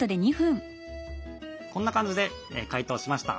こんな感じで解凍しました。